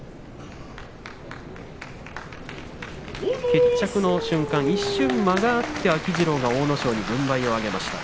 決着の瞬間、一瞬間があって秋治郎が阿武咲に軍配を上げました。